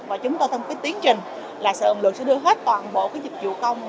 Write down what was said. và chúng tôi có tiến trình là sự ẩn lực sẽ đưa hết toàn bộ dịch vụ công